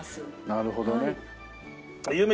なるほどね。